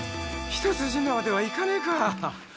ひと筋縄ではいかねえか。